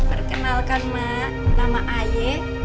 perkenalkan mak nama ayah